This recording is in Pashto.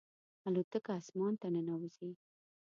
الوتکه اسمان ته ننوځي.